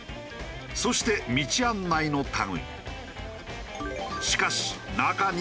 そして道案内の類。